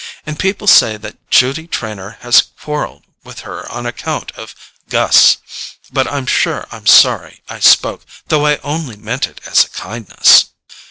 And people say that Judy Trenor has quarrelled with her on account of Gus; but I'm sure I'm sorry I spoke, though I only meant it as a kindness."